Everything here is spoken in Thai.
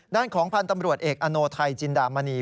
ด้านของพันธ์ตำรวจเอกอโนไทยจินดามณี